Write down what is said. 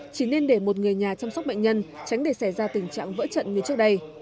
chỉ nên để một người nhà chăm sóc bệnh nhân tránh để xảy ra tình trạng vỡ trận như trước đây